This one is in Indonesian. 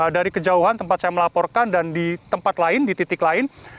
dari kejauhan tempat saya melaporkan dan di tempat lain di titik lain